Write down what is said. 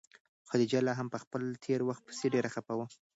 خدیجه لا هم په خپل تېر وخت پسې ډېره خفه وه.